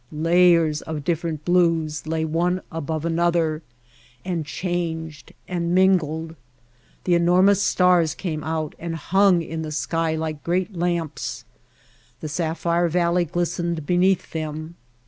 Lay ers of different blues lay one above another, and changed, and mingled. The enormous stars came out and hung in the sky like great lamps. The sapphire valley glistened beneath them.